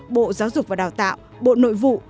bộ giáo dục và đào tạo bộ nội vụ